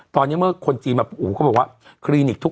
ตอนนี้เมื่อคนจีนมาปรูกเขาบอกว่า